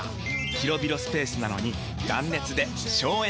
広々スペースなのに断熱で省エネ！